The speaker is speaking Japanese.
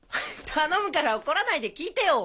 頼むから怒らないで聞いてよ。